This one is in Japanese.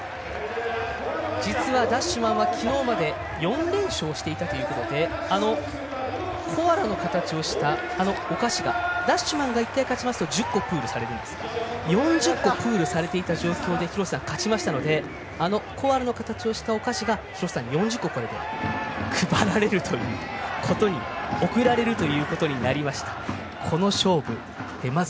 実はＤＡＳＨＭＡＮは昨日まで４連勝していたということでコアラの形をした、あのお菓子がＤＡＳＨＭＡＮが１回勝ちますと１０個プールされるんですが４０個プールされた状況でひろせさんが勝ちましたのでコアラの形をしたお菓子がひろせさんに４０個贈られるということになりました。